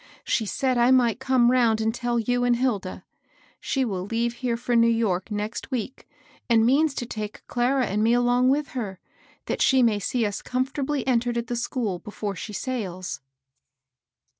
She said I might come round and tell you and Hilda. She will leave here for New York next week, and means to take Clara and me along with her, that she may see (U5) 116 MABEL BOS& US comfortably entered at the school before she sails."